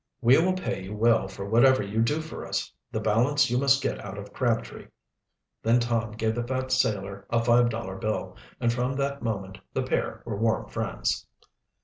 "We will pay you well for whatever you do for us. The balance you must get out of Crabtree." Then Tom gave the fat sailor a five dollar bill, and from that moment the pair were warm friends.